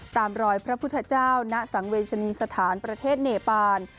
ตามรอยพระพุทธเจ้าณสังเวชนีสถานประเทศเนปาน